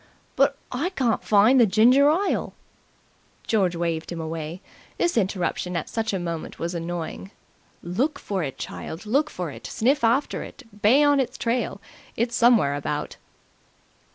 "But I can't find the ginger ile." George waved him away. This interruption at such a moment was annoying. "Look for it, child, look for it! Sniff after it! Bay on its trail! It's somewhere about."